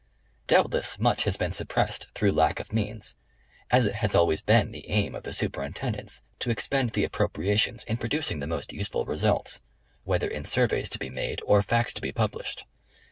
Doubtless much has been suppressed through lack of means, as it has always been the aim of the Superintendents to expend the appropriations in producing the most useful results, whether in surveys to be made or facts to be published.